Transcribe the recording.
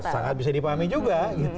sangat bisa dipahami juga